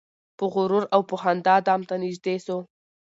په غرور او په خندا دام ته نیژدې سو